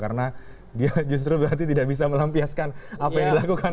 karena dia justru berarti tidak bisa melampiaskan apa yang dilakukan